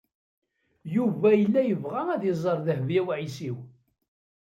Yuba yella yebɣa ad iẓer Dehbiya u Ɛisiw.